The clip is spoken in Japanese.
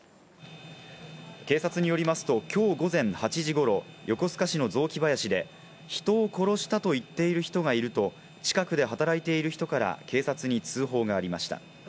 警察によりますと、きょう午前８時ごろ、横須賀市の雑木林で人を殺したと言っている人がいると近くで働いている人から警察に通報がありました。